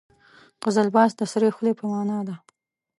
قزلباش د سرې خولۍ په معنا ده.